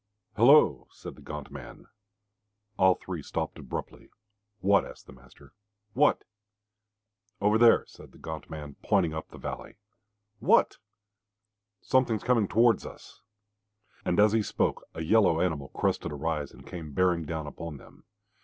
"Hullo!" said the gaunt man. All three stopped abruptly. "What?" asked the master. "What?" "Over there," said the gaunt man, pointing up the valley. "What?" "Something coming towards us." And as he spoke a yellow animal crested a rise and came bearing down upon them.